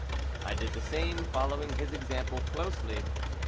I did the same, following his example closely.